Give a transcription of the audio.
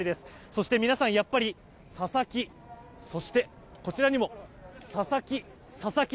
そして、皆さんやっぱり佐々木そして、こちらにも佐々木、佐々木。